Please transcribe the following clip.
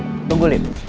lin tunggu lin